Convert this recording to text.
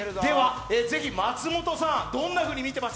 ぜひ松本さん、どんなふうに見てました？